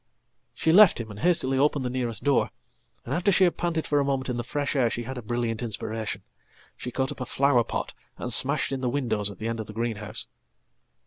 She left him and hastily opened the nearest door, and, after she hadpanted for a moment in the fresh air, she had a brilliant inspiration. Shecaught up a flower pot and smashed in the windows at the end of thegreenhouse.